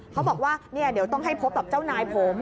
เขาบอกว่าเดี๋ยวต้องให้พบกับเจ้านายผม